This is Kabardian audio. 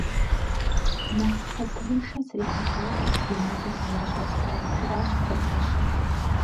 - Нэхъ хьэтырыншэ срихьэлӏакъым мы мэзым сызэрыщӏэсрэ, - жиӏащ кхъуэпӏащэм.